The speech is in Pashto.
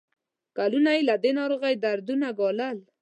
کلونه یې له دې ناروغۍ دردونه ګالل.